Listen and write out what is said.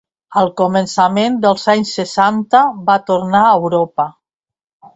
Al començament dels anys seixanta va tornar a Europa.